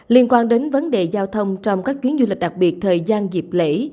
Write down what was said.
liên quan đến vấn đề giao thông trong các tuyến du lịch đặc biệt thời gian dịp lễ